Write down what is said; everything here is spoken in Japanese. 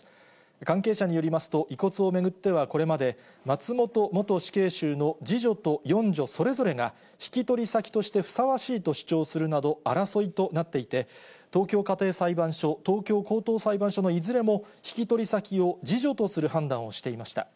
関係者によりますと、遺骨を巡っては、これまで、松本元死刑囚の次女と四女それぞれが引き取り先としてふさわしいと主張するなど、争いとなっていて、東京家庭裁判所、東京高等裁判所のいずれも、引き取り先を次女とする判断をしていました。